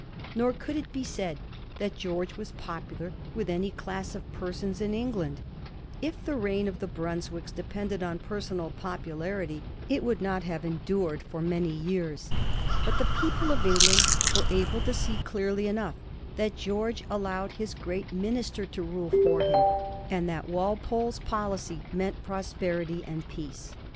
Nor could it be said that Greorge was popular with any class of persons in England. K the reign of the Brunswicks depended upon personal popularity, it would not Digiti zed by Google 1727 DEATH OF GEORGE THE FIRST. 347 have endured for many years. But the people of England were able to see clearly enough that Greorge allowed his great minister to rule for him, and that Walpole's policy meant prosperity and peace.